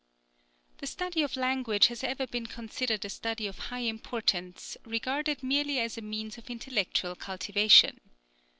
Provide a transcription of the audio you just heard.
The study of language has ever been considered a study of high importance, regarded merely as a means of intellectual cultivation.